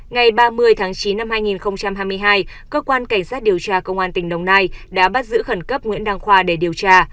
ngày ba mươi tháng chín năm hai nghìn hai mươi hai cơ quan cảnh sát điều tra công an tỉnh đồng nai đã bắt giữ khẩn cấp nguyễn đăng khoa để điều tra